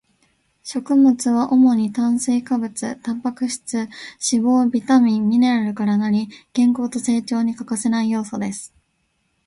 食物は主に炭水化物、タンパク質、脂肪、ビタミン、ミネラルから成り、健康と成長に欠かせない要素です